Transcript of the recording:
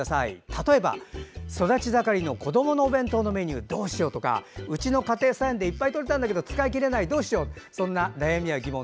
例えば、育ち盛りの子どものお弁当のメニューどうしようかとかうちの家庭菜園でいっぱいとれたけど使い切れない、どうしようなどそんな悩みや疑問